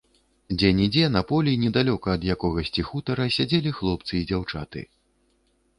Дзе-нідзе на полі недалёка ад якогасьці хутара сядзелі хлопцы і дзяўчаты.